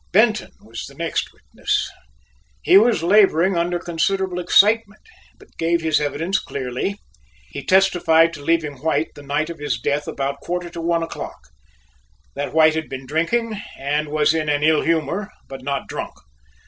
Benton was the next witness. He was laboring under considerable excitement, but gave his evidence clearly. He testified to leaving White the night of his death about quarter to one o'clock. That White had been drinking, and was in an ill humor, but not drunk.